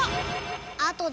あとでね。